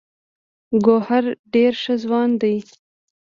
ګوهر ډې ښۀ ځوان دی